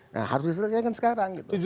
nah harus diselesaikan sekarang